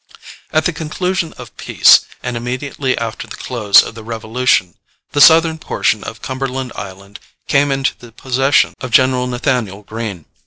At the conclusion of peace, and immediately after the close of the Revolution, the southern portion of Cumberland Island came into the possession of General Nathaniel Greene.